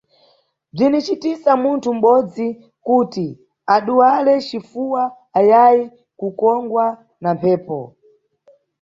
Bzinicitisa munthu mʼbodzi kuti aduwale cifuwa ayayi kukongwa na mphepo.